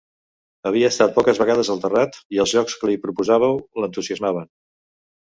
Havia estat poques vegades al terrat i els jocs que li proposàveu l'entusiasmaven.